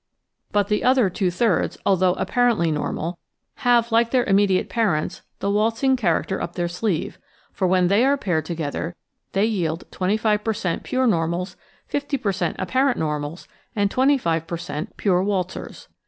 But the other two thirds, though ap parently normal, have, like their immediate parents, the waltz ing character up their sleeve, for when they are paired together they yield 25 per cent, pure normals, 50 per cent, apparent nor mals, and 25 per cent, pure waltzers.